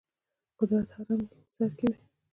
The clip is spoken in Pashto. قدرت هرم سر کې وي.